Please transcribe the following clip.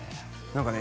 何かね